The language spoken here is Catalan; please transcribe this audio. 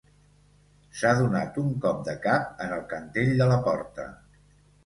S'ha donat un cop de cap en el cantell de la porta